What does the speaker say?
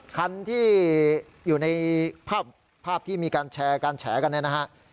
คันที่อยู่ในภาพที่มีการแชร์กันแล้วนะฮะ